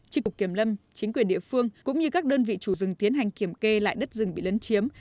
trị cục kiểm lâm chính quyền địa phương cũng như các đơn vị chủ rừng tiến hành kiểm kê lại đất rừng bị lấn chiếm